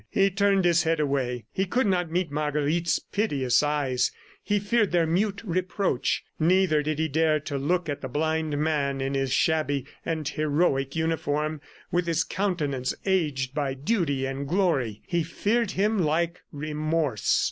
He turned his head away; he could not meet Marguerite's piteous eyes; he feared their mute reproach. Neither did he dare to look at the blind man in his shabby and heroic uniform, with his countenance aged by duty and glory. He feared him like remorse.